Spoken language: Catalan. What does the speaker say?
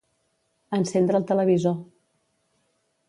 Encendre el televisor.